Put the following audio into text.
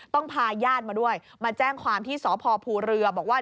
พาญาติมาด้วยมาแจ้งความที่สพภูเรือบอกว่า